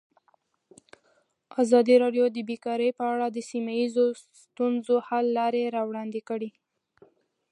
ازادي راډیو د بیکاري په اړه د سیمه ییزو ستونزو حل لارې راوړاندې کړې.